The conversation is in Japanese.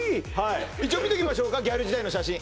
一応見ておきましょうかギャル時代の写真